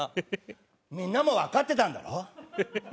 みんなもわかってたんだろ？